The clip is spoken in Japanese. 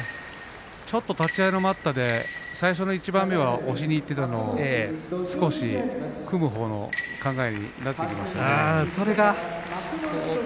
立ち合いの待ったで最初の一番目は押しにいっていたのを少し組むほうの考えになってきましたね。